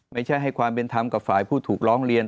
ให้ความเป็นธรรมกับฝ่ายผู้ถูกร้องเรียน